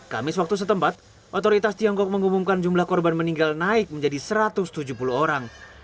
kamis waktu setempat otoritas tiongkok mengumumkan jumlah korban meninggal naik menjadi satu ratus tujuh puluh orang